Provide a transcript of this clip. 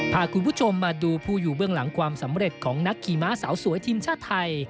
พาคุณผู้ชมมาดูผู้อยู่เบื้องหลังความสำเร็จของนักขี่ม้าสาวสวยทีมชาติไทย